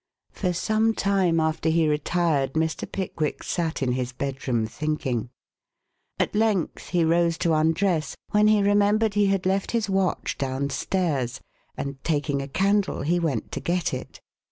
For some time after he retired, Mr. Pickwick sat in his bedroom thinking. At length he rose to undress, when he remembered he had left his watch down stairs, and taking a candle he went to get it.